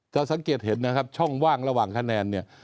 จะสังเกตเห็นนะครับช่องว่างระหว่างคะแนนเนี่ย